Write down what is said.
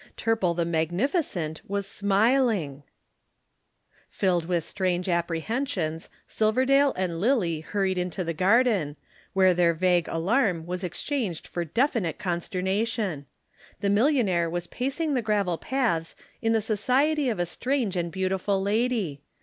Turple the magnificent was smiling. Filled with strange apprehensions, Silverdale and Lillie hurried into the garden, where their vague alarm was exchanged for definite consternation. The millionaire was pacing the gravel paths in the society of a strange and beautiful lady.